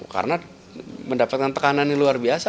karena mendapatkan tekanan yang luar biasa